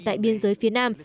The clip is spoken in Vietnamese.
tại biên giới phía nam